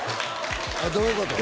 あれどういうこと？